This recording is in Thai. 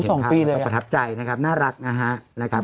ใช่ครับประทับใจนะครับน่ารักนะฮะสองปีเลย